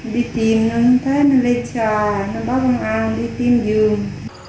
đi tìm nó không thấy nó lấy trà nó bắt công an đi tìm dường